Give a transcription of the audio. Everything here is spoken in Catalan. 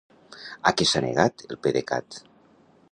A què s'ha negat el PDECat?